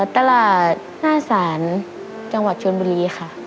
ตลาดหน้าศาลจังหวัดชนบุรีค่ะ